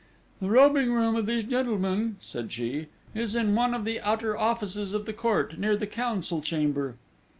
"The robing room of these gentlemen," said she, "is in one of the outer offices of the court, near the Council Chamber."